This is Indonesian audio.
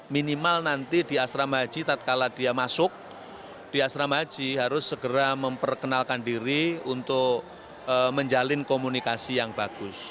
minimal nanti di asrama haji tatkala dia masuk di asrama haji harus segera memperkenalkan diri untuk menjalin komunikasi yang bagus